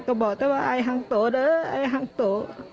ก็บอกได้ว่าอายหังโตนะอายหังโต